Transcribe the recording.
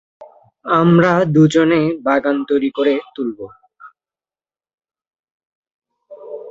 আমরা দুজনে বাগান তৈরি করে তুলব।